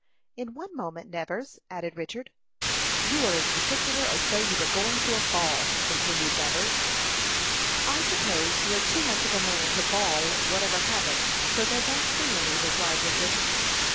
"In one moment, Nevers," added Richard. "You are as particular as though you were going to a ball," continued Nevers. "I suppose you are too much of a man to bawl, whatever happens; so there won't be any," replied Richard.